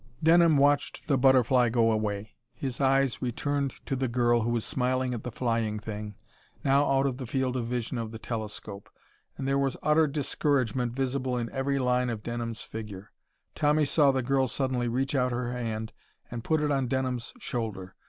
Denham watched the butterfly go away. His eyes returned to the girl who was smiling at the flying thing, now out of the field of vision of the telescope. And there was utter discouragement visible in every line of Denham's figure. Tommy saw the girl suddenly reach out her hand and put it on Denham's shoulder.